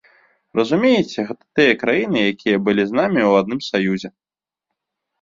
Разумееце, гэта тыя краіны, якія былі з намі ў адным саюзе.